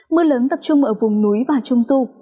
mưa lớn tập trung ở vùng núi và trung du